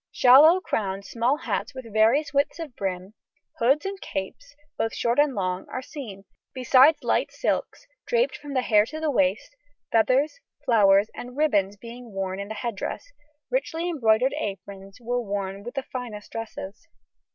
Shallow crowned straw hats with various widths of brim; hoods and capes, both short and long, are seen, besides light silks draped from the hair to the waist, feathers, flowers, and ribbons being worn in the head dress. Richly embroidered aprons were worn with the finest dresses.